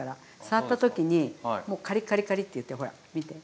触った時にカリカリカリッていってほら見て。